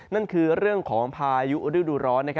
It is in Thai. นั่นคือเรื่องของพายุฤดูร้อน